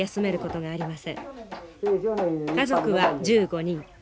家族は１５人。